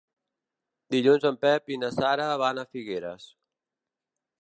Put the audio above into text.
Dilluns en Pep i na Sara van a Figueres.